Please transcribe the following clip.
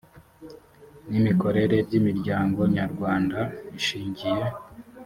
n imikorere by imiryango nyarwanda ishingiye